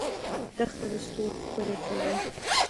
دښته د ستورو ښکلی کور دی.